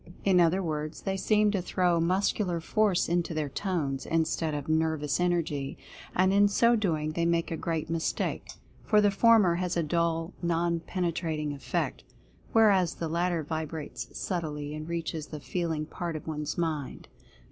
In other words, they seem to throw muscular force into their tones, instead of nervous energy, and in so doing they make a great mistake, for the former has a dull, non penetrating effect, whereas the latter vibrates subtly and reaches the feel ing part of one's mind.